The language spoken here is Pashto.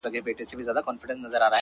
دي ښاد سي د ځواني دي خاوري نه سي،